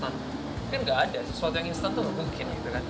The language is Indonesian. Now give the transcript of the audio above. mungkin nggak ada sesuatu yang instan tuh mungkin